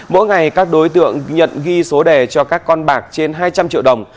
mỗi ngày các đối tượng nhận ghi số đề cho các con bạc trên hai trăm linh triệu đồng